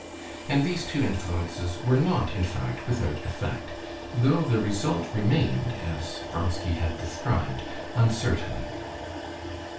And these two influences were not in fact without effect; though the result remained, as Vronsky had described, uncertain.